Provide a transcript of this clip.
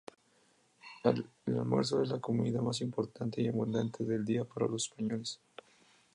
El almuerzo es la comida más importante y abundante del día para los españoles.